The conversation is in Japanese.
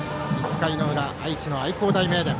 １回の裏、愛知の愛工大名電。